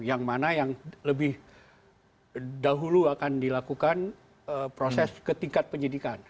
yang mana yang lebih dahulu akan dilakukan proses ke tingkat penyidikan